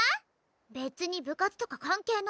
別に部活とか関係ないし！